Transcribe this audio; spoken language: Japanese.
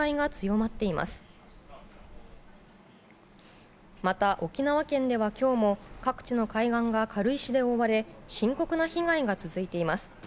また、沖縄県では今日も各地の海岸が軽石で覆われ深刻な被害が続いています。